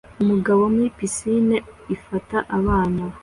Umugabo muri pisine ifata abana